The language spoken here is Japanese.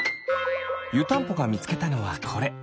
ゆたんぽがみつけたのはこれ。